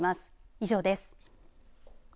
以上です。